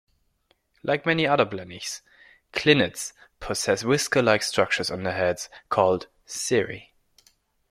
Like many other blennies, clinids possess whisker-like structures on their heads called cirri.